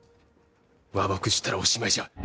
和睦したらおしまいじゃ。